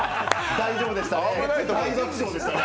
大丈夫でしたね。